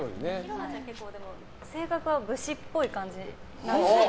紘菜ちゃん結構性格は武士っぽい感じなので。